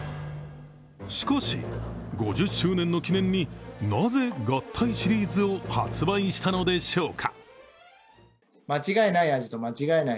しかし、５０周年の記念に、なぜ合体シリーズを発売したのでしょうか。